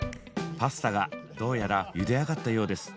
パスタがどうやらゆで上がったようです。